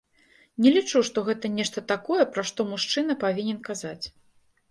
Не лічу, што гэта нешта такое, пра што мужчына павінен казаць.